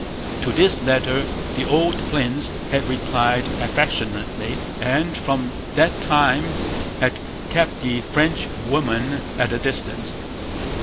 To this letter the old prince had replied affectionately, and from that time had kept the Frenchwoman at a distance.